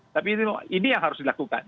tapi ini yang harus dilakukan